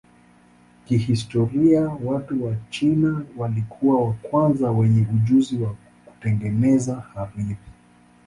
Kihistoria watu wa China walikuwa wa kwanza wenye ujuzi wa kutengeneza hariri.